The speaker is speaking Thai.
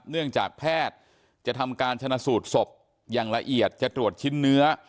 เนื่องจากแพทย์จะทำการชนะสูตรศพอย่างละเอียดจะตรวจชิ้นเนื้อ